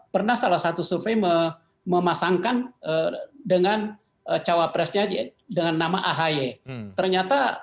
pernah salah satu survei memasangkan dengan cawapresnya dengan nama ahy ternyata